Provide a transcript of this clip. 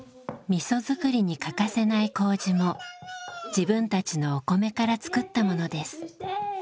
みそ作りに欠かせない麹も自分たちのお米から作ったものです。